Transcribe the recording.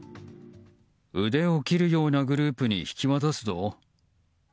腕を切るようなグループに引き渡すぞ。